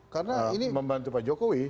karena ini membantu pak jokowi